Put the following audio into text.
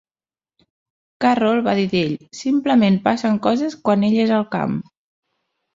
Carroll va dir d'ell, "Simplement passen coses quan ell és al camp".